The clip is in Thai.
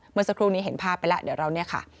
เมื่อสักครู่นี้เห็นภาพไปแล้วเดี๋ยวเราเนี่ยค่ะ